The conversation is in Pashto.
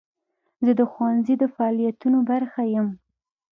زه د ښوونځي د فعالیتونو برخه یم.